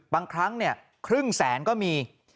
บางครั้งครึ่งแสนก็มี